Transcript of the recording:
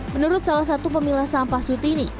menurut salah satu pemilah sampah sutini